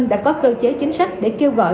đã có cơ chế chính sách để kêu gọi